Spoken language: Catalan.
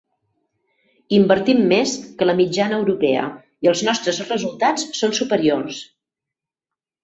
Invertim més que la mitjana europea i els nostres resultats són superiors.